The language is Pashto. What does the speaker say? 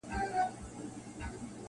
• زما پیغام ته هم یو څه توجه وکړي-